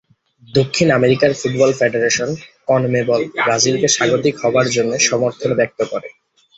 দক্ষিণ আমেরিকার football federation CONMEBOL ব্রাজিলকে স্বাগতিক হবার জন্যে সমর্থন ব্যক্ত করে।